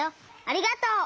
ありがとう！